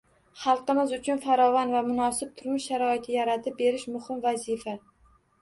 Xalqimiz uchun farovon va munosib turmush sharoiti yaratib berish muhim vazifa